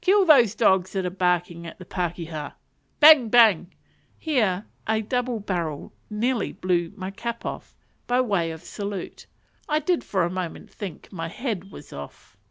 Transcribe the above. kill those dogs that are barking at the pakeha!" Bang! bang! Here a double barrel nearly blew my cap off, by way of salute: I did for a moment think my head was off.